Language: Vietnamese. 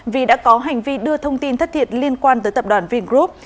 vì đã có hành vi đưa thông tin thất thiệt liên quan tới tập đoàn vingroup